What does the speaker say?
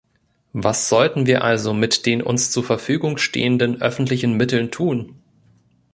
Was sollten wir also mit den uns zur Verfügung stehenden öffentlichen Mitteln tun?